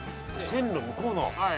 線路向こうの？